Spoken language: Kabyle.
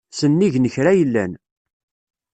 Sennig n kra yellan.